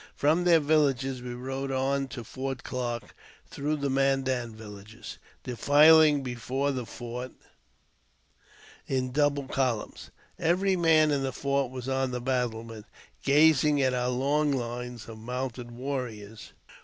From their villages we rode on to Fort Clarke through the Mandan villages, defiling before the fort in double columns. Every man in the fort was on the battlements, gazing at our long hues of mounted warriors.